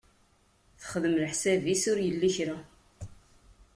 Texdem leḥsab-is ur yelli kra.